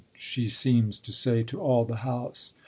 she seems to say to all the house."